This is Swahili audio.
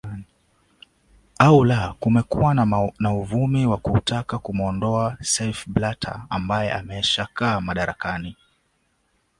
au la kumekuwa na uvumi wa kutaka kumwondoa seif blatta ambaye amesha kaa madarakani